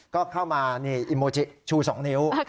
ก็เข้ามานี่อิโมจิชู๒นิ้ว